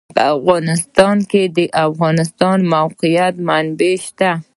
په افغانستان کې د د افغانستان د موقعیت منابع شته.